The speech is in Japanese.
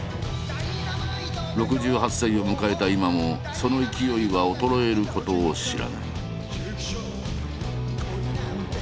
６８歳を迎えた今もその勢いは衰えることを知らない。